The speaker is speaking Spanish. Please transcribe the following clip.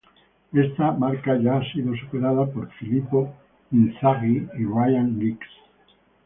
Esta marca ya ha sido superada por Filippo Inzaghi y Ryan Giggs.